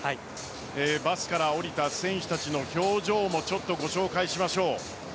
バスから降りた選手たちの表情もご紹介しましょう。